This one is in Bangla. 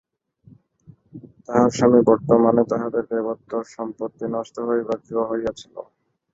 তাঁহার স্বামী বর্তমানে তাঁহাদের দেবোত্তর সম্পত্তি নষ্ট হইবার জো হইয়াছিল।